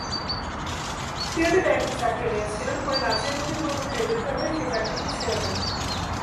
তিনি একটি ব্যাংকে চাকরি নিয়েছিলেন, পরে নাচের প্রতি পুরোপুরি নিবেদিত হয়ে সেই চাকরি তিনি ছেড়ে দেন।